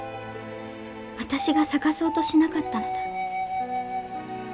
私が咲かそうとしなかったのだ。